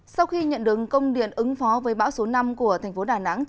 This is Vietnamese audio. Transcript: sau khi nhận đứng công điện ứng phó với bão số năm của thành phố đà nẵng